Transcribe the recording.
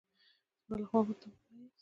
زما له خوا ورته ووایاست.